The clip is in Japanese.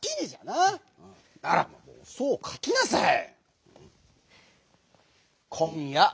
ならばそうかきなさい！